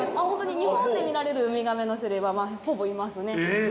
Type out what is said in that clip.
日本で見られるウミガメの種類はほぼいますね。